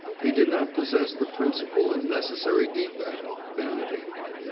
He did not possess the principal and necessary defect vanity.